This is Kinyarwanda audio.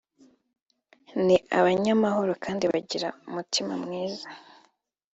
ni abanyamahoro kandi bagira umutima mwiza